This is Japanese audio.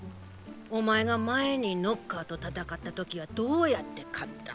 お前が前にノッカーと戦った時はどうやって勝った？